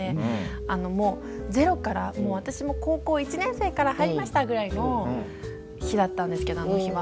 あのもうゼロから私高校１年生から入りましたぐらいの日だったんですけどあの日は。